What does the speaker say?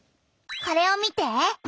これを見て。